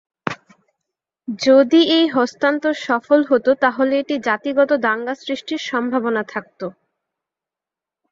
যদি এই হস্তান্তর সফল হতো তাহলে এটি জাতিগত দাঙ্গা সৃষ্টির সম্ভাবনা থাকত।